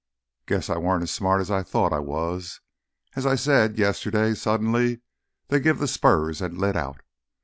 "Guess I weren't as smart as I thought I was. As I said, yesterday suddenly they give th' spurs an' lit out.